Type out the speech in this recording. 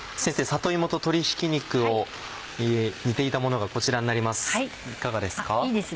里芋と鶏ひき肉を煮ていたものがこちらになります